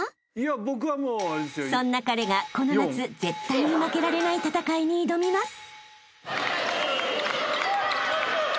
［そんな彼がこの夏絶対に負けられない戦いに挑みます］